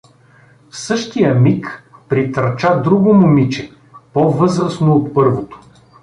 В същия миг притърча друго момиче, по-възрастно от първото.